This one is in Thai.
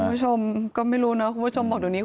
คุณผู้ชมก็ไม่รู้นะคุณผู้ชมบอกเดี๋ยวนี้